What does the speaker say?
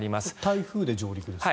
台風で上陸ですか？